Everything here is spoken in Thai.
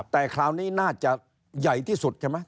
แต่คราวนี้น่าจะใหญ่ที่สุดใช่ไหม